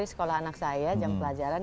sekolah anak saya jam pelajaran